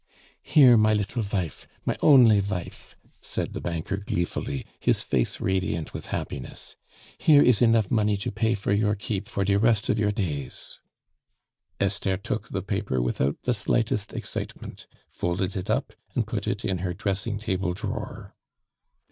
"Here, my little vife, my only vife," said the banker gleefully, his face radiant with happiness. "Here is enough money to pay for your keep for de rest of your days." Esther took the paper without the slightest excitement, folded it up, and put it in her dressing table drawer.